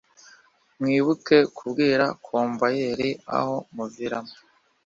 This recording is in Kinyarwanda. mwibuke kubwira komvayeri aho muviramo